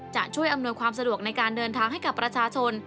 จะช่วยอำนวยความสะดวกในการเดินทางให้กับประชาชน